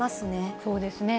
そうですね。